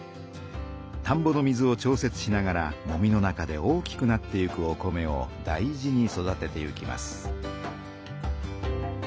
たんぼの水を調節しながらもみの中で大きくなっていくお米を大事に育てていきます。